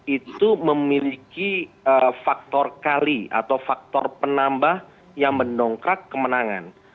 itu memiliki faktor kali atau faktor penambah yang mendongkrak kemenangan